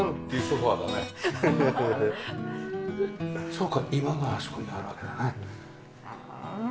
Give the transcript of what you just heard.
そうか居間があそこにあるわけだね。